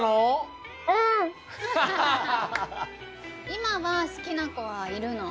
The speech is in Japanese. いまは好きなこはいるの？